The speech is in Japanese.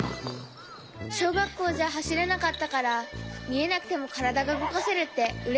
しょうがっこうじゃはしれなかったからみえなくてもからだがうごかせるってうれしかった。